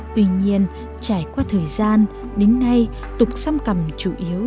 tuy nhiên trải qua thời gian đến nay tục xăm cầm chủ yếu